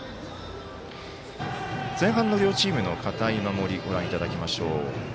前半の両チームの堅い守りご覧いただきましょう。